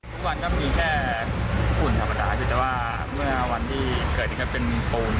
ก็ถ้าเป็นทุกวันมันเป็นฝุ่น